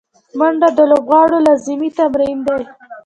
منډه د لوبغاړو لازمي تمرین دی